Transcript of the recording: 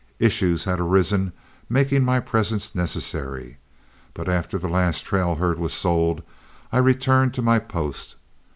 Issues had arisen making my presence necessary, but after the last trail herd was sold I returned to my post.